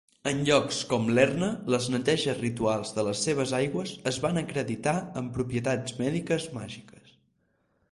En llocs com Lerna, les neteges rituals de les seves aigües es van acreditar amb propietats mèdiques màgiques.